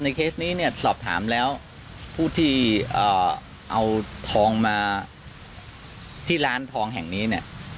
เคสนี้เนี่ยสอบถามแล้วผู้ที่เอาทองมาที่ร้านทองแห่งนี้เนี่ย